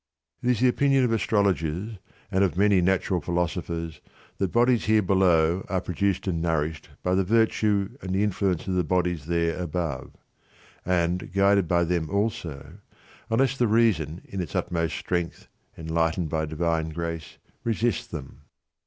It is the opinion of astrologers and of many natural philosophers that bodies here below are produced and nourished by the virtue and the influence of the bodies there above; and guided by them also, unless the reason in its utmost strength, enlightened by divine grace, resist them.